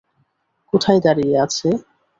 কোথায় দাঁড়িয়ে আছে?